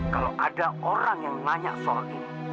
kalau ada orang yang nanya soal ini